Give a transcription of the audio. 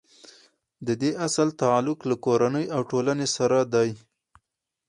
د دې اصل تعلق له کورنۍ او ټولنې سره دی.